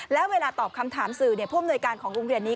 แล้วเวลาตอบคำถามสื่อผู้อำนวยการของโรงเรียนนี้